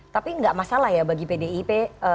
tapi nggak masalah ya bagi pdip